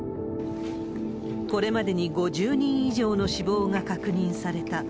これまでに５０人以上の死亡が確認された。